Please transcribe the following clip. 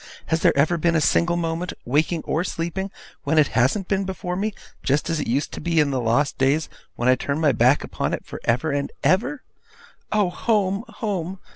'Has there ever been a single minute, waking or sleeping, when it hasn't been before me, just as it used to be in the lost days when I turned my back upon it for ever and for ever! Oh, home, home!